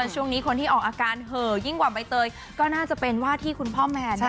ช่วงนี้คนที่ออกอาการเห่อยิ่งกว่าใบเตยก็น่าจะเป็นว่าที่คุณพ่อแมน